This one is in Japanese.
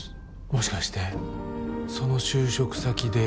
もしかしてその就職先で。